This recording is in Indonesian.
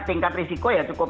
tingkat risiko ya cukup